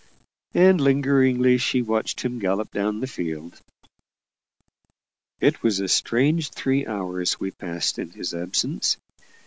And lingeringly she watched him gallop down the field. It was a strange three hours we passed in his absence.